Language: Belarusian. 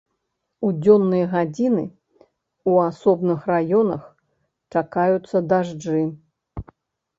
У дзённыя гадзіны ў асобных раёнах чакаюцца дажджы.